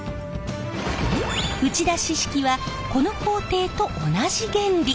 打ち出し式はこの工程と同じ原理。